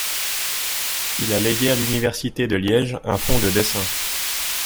Il a légué à l'université de Liège un fonds de dessins.